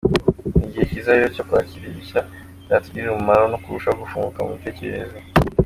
Ni igihe cyiza rero cyo kwakira ibishya byatugirira umumaro no kurushaho gufunguka mu mitekerereze.